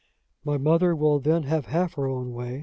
"My mother will then have half her own way!"